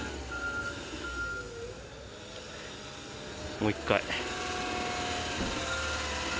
もう１回。